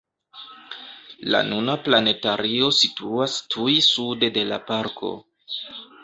La nuna planetario situas tuj sude de la parko.